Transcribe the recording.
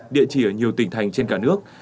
địa chỉ ở nhiều tỉnh thành trên cả nước